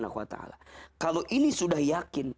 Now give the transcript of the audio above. kalau ini sudah yakin